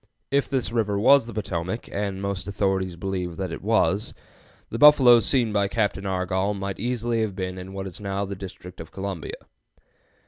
If this river was the Potomac, and most authorities believe that it was, the buffaloes seen by Captain Argoll might easily have been in what is now the District of Columbia.